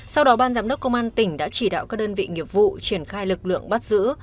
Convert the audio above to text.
sau đó ban giám đốc công an tỉnh đã chỉ đạo các đơn vị nghiệp vụ triển khai lực lượng bắt giữ